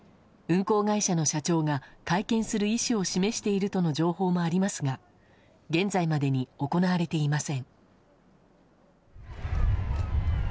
運航会社の社長が会見する意思を示しているとの情報もありますが現在までに行われていません。